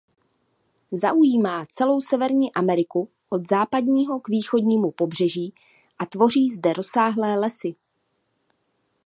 Zaujímá celou Severní Ameriku od západního k východnímu pobřeží a tvoří zde rozsáhlé lesy.